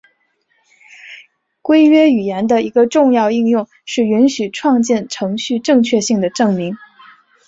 规约语言的一个重要应用是允许创建程序正确性的证明。